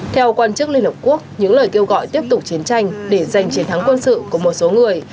theo quan chức liên hợp quốc những lời kêu gọi tiếp tục chiến tranh để giành chiến thắng quân sự của một số người